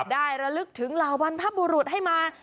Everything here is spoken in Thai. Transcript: ระลึกถึงเหล่าบรรพบุรุษให้มา